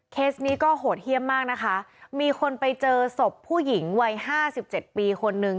นี้ก็โหดเยี่ยมมากนะคะมีคนไปเจอศพผู้หญิงวัยห้าสิบเจ็ดปีคนนึง